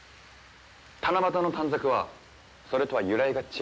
七夕の短冊はそれとは由来が違うんだ。